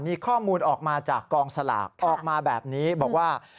มีข้อมูลออกมาจากกองสลากออกมาแบบนี้บอกว่า